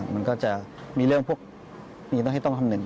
มันก็จะมีเรื่องพวกมีต้องให้ต้องคำนึง